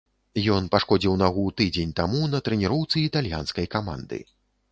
Ён пашкодзіў нагу тыдзень таму на трэніроўцы італьянскай каманды.